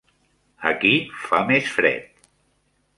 Aquí fa més fred